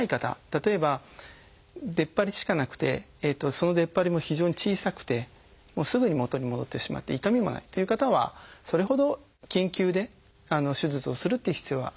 例えば出っ張りしかなくてその出っ張りも非常に小さくてすぐに元に戻ってしまって痛みもないという方はそれほど緊急で手術をするっていう必要はありません。